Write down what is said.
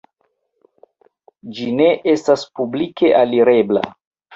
Ĝi ne estas publike alirebla.